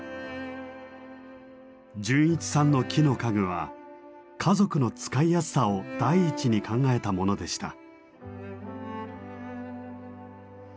純一さんの木の家具は家族の使いやすさを第一に考えたものでした。